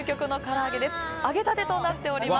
揚げたてとなっております。